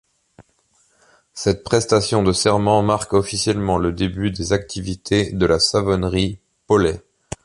Cette prestation de serment marque officiellement le début des activités de la savonnerie Pollet.